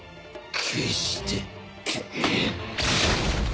決して。